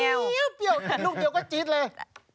เปรี้ยวแต่ลูกเดียวก็จี๊ดเลย